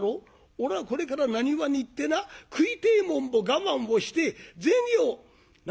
おらこれから浪速に行ってな食いてえもんも我慢をして銭をな？